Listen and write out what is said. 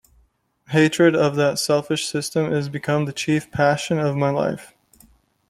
Hatred of that selfish system is become the chief passion of my life.